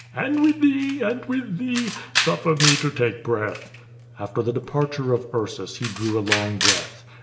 "And with thee, and with thee! Suffer me to take breath." After the departure of Ursus he drew a long breath.